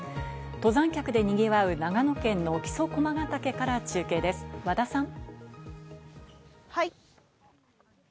登山客で賑わう長野県の木曽駒ヶ岳から中継です、和田さん。